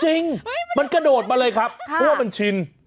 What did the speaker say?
จริงมันกระโดดมาเลยครับเพราะว่ามันชิน